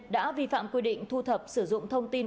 đã vi phạm quy định thu thập sử dụng thông tin